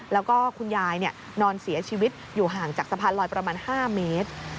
แล้วก็คุณยายนอนเสียชีวิตอยู่ห่างจากสะพานลอยประมาณ๕เมตร